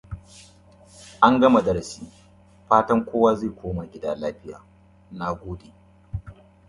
His siblings included Eugene Tonkonogy.